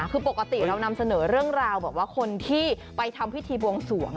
คือปกติเรานำเสนอเรื่องราวแบบว่าคนที่ไปทำพิธีบวงสวง